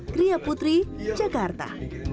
kriya putri jakarta